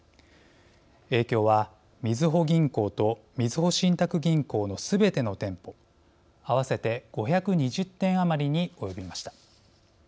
影響は、みずほ銀行とみずほ信託銀行の全ての店舗合わせて５２０店余りに及びました。